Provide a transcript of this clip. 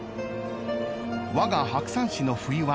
［わが白山市の冬は長い］